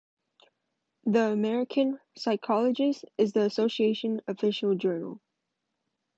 The "American Psychologist" is the Association's official journal.